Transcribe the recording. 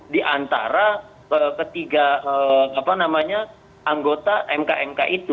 di antara ketiga anggota mk mk itu